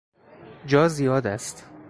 جا زیاد است.